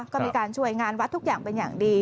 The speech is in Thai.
ก็มีการช่วยงานวัดทุกอย่างเป็นอย่างดี